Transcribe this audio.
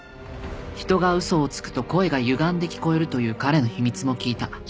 人がウソをつくと声がゆがんで聞こえるという彼の秘密も聞いた